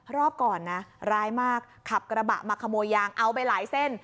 รอบก่อนนะร้ายมากขับกระบะมาขโมยยางเอาไปหลายเส้น